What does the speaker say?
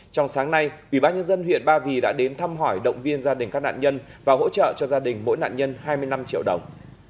trong sáng nay ủy ban nhân dân huyện ba vì đã đến thăm hỏi động viên gia đình các nạn nhân và hỗ trợ cho gia đình mỗi nạn nhân hai mươi năm triệu đồng